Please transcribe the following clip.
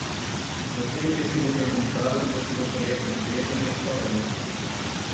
Você precisa perguntar o que você gostaria de obter no restaurante.